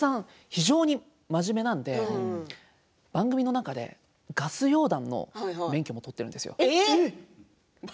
非常に真面目なんで番組の中でガス溶断の免許を取ってるんですよ。